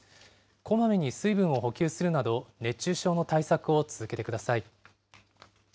こまめに水分を補給するなど、熱中症の対策を続けてください。